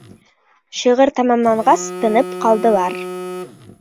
Шиғыр тамамланғас тынып ҡалдылар.